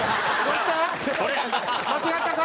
間違ったか？